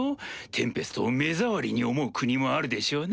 テンペストを目障りに思う国もあるでしょうな。